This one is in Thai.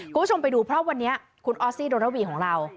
คุณผู้ชมไปดูเพราะวันนี้คุณออสซี่โดรวีของเรา